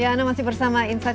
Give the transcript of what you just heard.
ya anda masih bersama insight